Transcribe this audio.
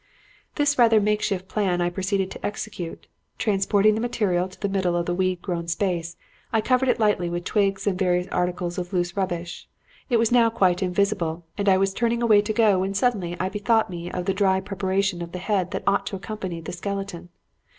"This rather makeshift plan I proceeded to execute. Transporting the material to the middle of the weed grown space, I covered it lightly with twigs and various articles of loose rubbish. It was now quite invisible, and I was turning away to go when suddenly I bethought me of the dry preparation of the head that ought to accompany the skeleton.